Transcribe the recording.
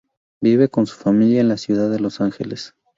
Vive con su familia en la ciudad de Los Ángeles.